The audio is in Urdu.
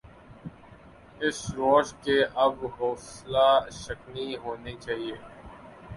اس روش کی اب حوصلہ شکنی ہونی چاہیے۔